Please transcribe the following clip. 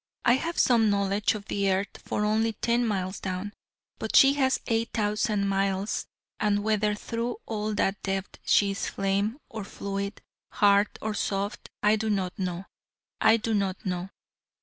I have some knowledge of the earth for only ten miles down: but she has eight thousand miles: and whether through all that depth she is flame or fluid, hard or soft, I do not know, I do not know.